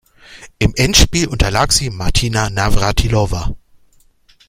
Im Endspiel unterlag sie Martina Navrátilová.